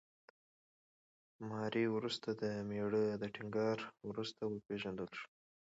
ماري وروسته د مېړه د ټینګار وروسته وپېژندل شوه.